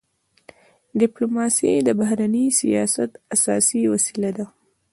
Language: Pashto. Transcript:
ډيپلوماسي د بهرني سیاست اساسي وسیله ده.